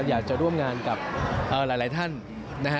อยากจะร่วมงานกับหลายท่านนะฮะ